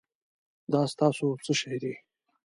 دا ستاسو څه شی دی؟